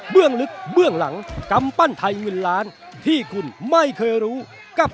ลึกเบื้องหลังกำปั้นไทยเงินล้านที่คุณไม่เคยรู้กับ